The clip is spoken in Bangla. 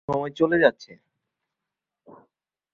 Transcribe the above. শুভ সময় চলে যাচ্ছে।